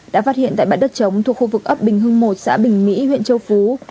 đã phát hiện tại bãi đất chống thuộc khu vực ấp bình hưng một xã bình mỹ huyện châu phú